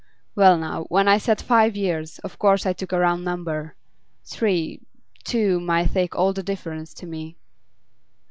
'Well now, when I said five years, of course I took a round number. Three two might make all the difference to me.